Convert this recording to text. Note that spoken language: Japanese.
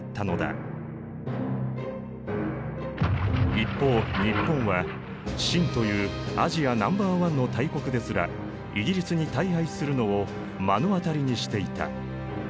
一方日本は清というアジアナンバーワンの大国ですらイギリスに大敗するのを目の当たりにしていた。